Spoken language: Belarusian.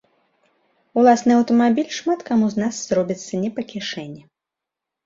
Уласны аўтамабіль шмат каму з нас зробіцца не па кішэні.